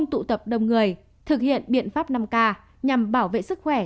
tụ tập đông người thực hiện biện pháp năm k nhằm bảo vệ sức khỏe